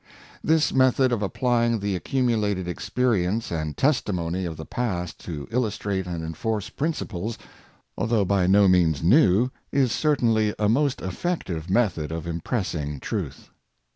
This method of applying the accumulated experience and testimony of the past to illustrate and enforce principles, although by no means new, is certainly a most effective method of im pressing truth.